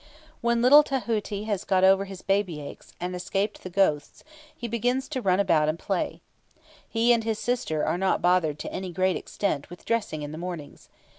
When little Tahuti has got over his baby aches, and escaped the ghosts, he begins to run about and play. He and his sister are not bothered to any great extent with dressing in the mornings.